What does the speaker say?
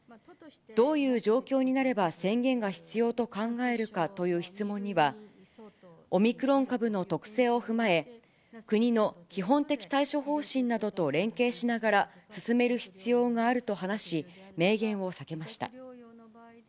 どういう状況になれば宣言が必要と考えるかという質問には、オミクロン株の特性を踏まえ、国の基本的対処方針などと連携しながら進める必要があると話し、明言を避けました。